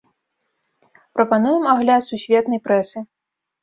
Прапануем агляд сусветнай прэсы.